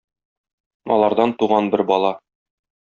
Алардан туган бер бала.